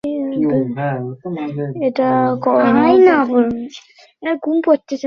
এটা কোনো কথা হলো।